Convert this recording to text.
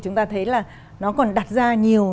chúng ta thấy là nó còn đặt ra nhiều